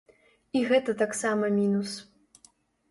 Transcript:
І гэта таксама мінус.